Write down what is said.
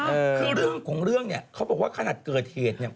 คือเรื่องของเรื่องเนี่ยเขาบอกว่าขนาดเกิดเหตุเนี่ย